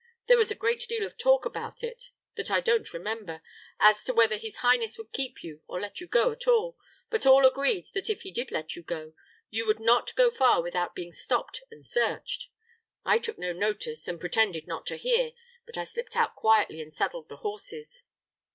There was a great deal of talk about it that I don't remember, as to whether his highness would keep you or let you go at all; but all agreed that if he did let you go, you would not go far without being stopped and searched. I took no notice, and pretended not to hear; but I slipped out quietly and saddled the horses."